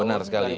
benar sekali ya